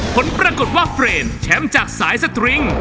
ผลปรากฏว่าเฟรนด์แชมป์จากสายสตริง